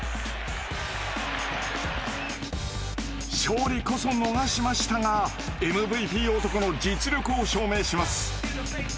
勝利こそ逃しましたがＭＶＰ男の実力を証明します。